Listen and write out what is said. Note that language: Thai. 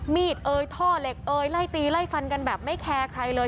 มีดเอ่ยท่อเหล็กเอยไล่ตีไล่ฟันกันแบบไม่แคร์ใครเลย